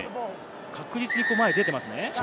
確実に前に出てますね。